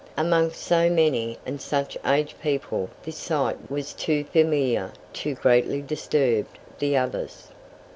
Amongst so many and such aged people this sight was too familiar to greatly disturb the others.